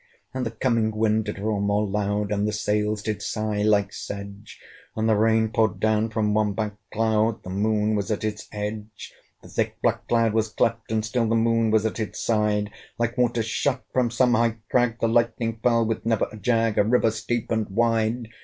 And the coming wind did roar more loud, And the sails did sigh like sedge; And the rain poured down from one black cloud; The Moon was at its edge. The thick black cloud was cleft, and still The Moon was at its side: Like waters shot from some high crag, The lightning fell with never a jag, A river steep and wide.